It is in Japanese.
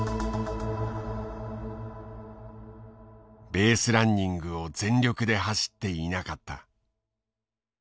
「ベースランニングを全力で走っていなかった」。